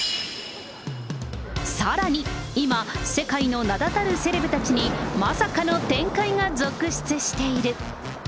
さらに、今、世界の名だたるセレブたちにまさかの展開が続出している。